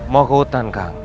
mau ke hutan kang